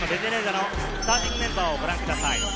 ベネズエラのスターティングメンバーをご覧ください。